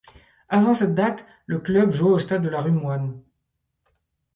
Avant cette date, le club jouait au stade de la rue Moine.